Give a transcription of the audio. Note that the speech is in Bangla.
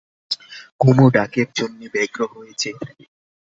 কুমু ডাকের জন্যে ব্যগ্র হয়ে চেয়ে থাকে।